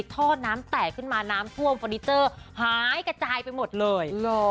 ท่อน้ำแตกขึ้นมาน้ำท่วมฟอร์นิเจอร์หายกระจายไปหมดเลย